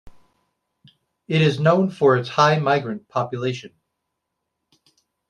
It is known for its high migrant population.